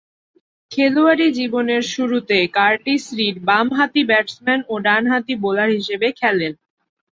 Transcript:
খেলোয়াড়ী জীবনের শুরুতে কার্টিস রিড বামহাতি ব্যাটসম্যান ও ডানহাতি বোলার হিসেবে খেলেন।